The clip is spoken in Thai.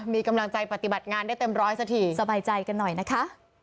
มีกำลังใจปฏิบัติงานได้เต็มร้อยสักทีสบายใจกันหน่อยนะคะ